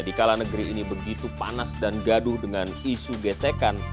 di kala negeri ini begitu panas dan gaduh dengan isu gesekan